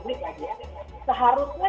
diadukannya oleh presiden